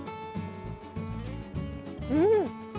うん！